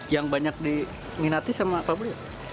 yang banyak diminati sama fabri